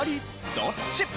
どっち？